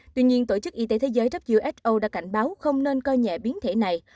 tuy nhiên tổ chức y tế thế giới who đã cảnh báo không nên coi nhẹ biến thể này